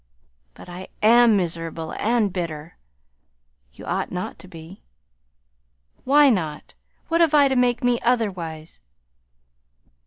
"But I AM miserable and bitter." "You ought not to be." "Why not? What have I to make me otherwise?"